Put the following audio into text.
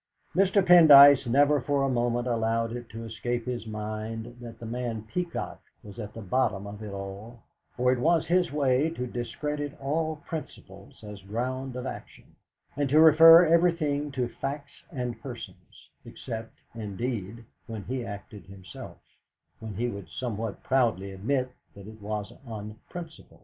Mr. Pendyce never for a moment allowed it to escape his mind that the man Peacock was at the bottom of it all; for it was his way to discredit all principles as ground of action, and to refer everything to facts and persons; except, indeed, when he acted himself, when he would somewhat proudly admit that it was on principle.